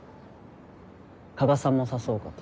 加賀さんも誘おうかと。